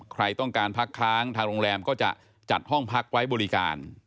ใครต้องการพักค้างทางโรงแรมก็จะจัดห้องพักไว้บริการ